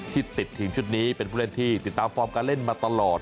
ที่ติดทีมชุดนี้เป็นผู้เล่นที่ติดตามฟอร์มการเล่นมาตลอด